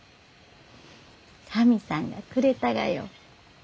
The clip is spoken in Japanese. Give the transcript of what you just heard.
神さんがくれたがよ。